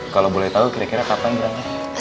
kalau boleh tahu kira kira kapan berangkat